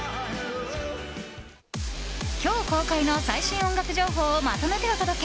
今日公開の最新音楽情報をまとめてお届け！